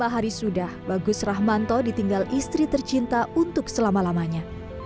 lima hari sudah bagus rahmanto ditinggal istri tercinta untuk selama lamanya